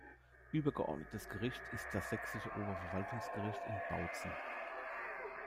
Übergeordnetes Gericht ist das Sächsische Oberverwaltungsgericht in Bautzen.